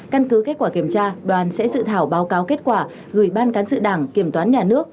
căn cứ kết quả kiểm tra đoàn sẽ dự thảo báo cáo kết quả gửi ban cán sự đảng kiểm toán nhà nước